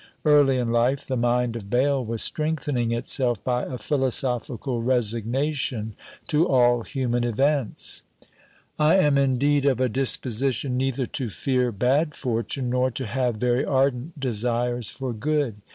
Early in life the mind of Bayle was strengthening itself by a philosophical resignation to all human events! "I am indeed of a disposition neither to fear bad fortune nor to have very ardent desires for good.